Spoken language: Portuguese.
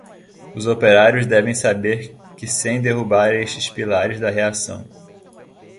Os operários devem saber que sem derrubar estes pilares da reação